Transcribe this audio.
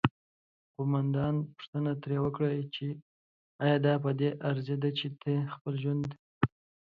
قوماندان پوښتنه ترې وکړه چې آیا دا پدې ارزیده چې ته خپل ژوند